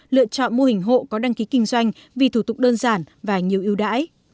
lựa chọn mô hình hộ có đăng ký kinh doanh vì thủ tục đơn giản và nhiều ưu đãi